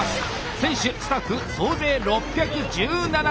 選手スタッフ総勢６１７人。